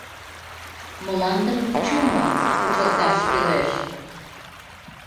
Мландым чумыр кучылташ кӱлеш